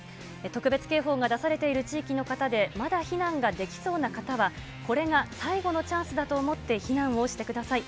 特別警報が出されている地域の方で、まだ避難ができそうな方は、これが最後のチャンスだと思って、避難をしてください。